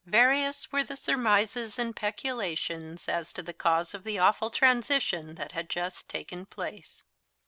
Various were the surmises and speculations as to the cause of the awful transition that had just taken place.